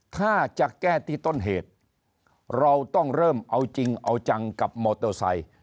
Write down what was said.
ถ้าจะแก้ที่ต้นเหตุเราต้องเริ่มเอาจริงเอาจังกับมอเตอร์ไซค์